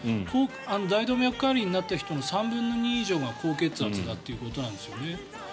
大動脈解離になった人の３分の２以上が高血圧ということなんですね。